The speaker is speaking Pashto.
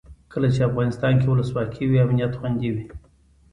کله چې افغانستان کې ولسواکي وي امنیت خوندي وي.